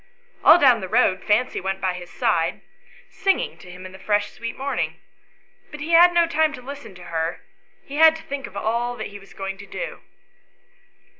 All down the road Fancy went by his side, singing to him in the fresh sweet morning ; but he had no time to listen to her, he had to think of all he was going to do.